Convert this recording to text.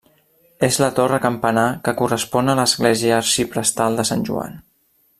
És la torre campanar que correspon a l'església arxiprestal de Sant Joan.